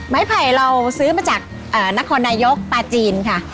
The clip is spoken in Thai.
ไผ่เราซื้อมาจากนครนายกปลาจีนค่ะ